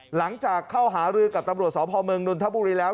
หลังจากเข้าหาลือกับตำรวจสภเมิงนทัพปุริแล้ว